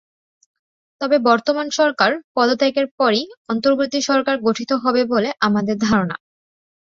তবে বর্তমান সরকার পদত্যাগের পরই অন্তর্বর্তী সরকার গঠিত হবে বলে আমাদের ধারণা।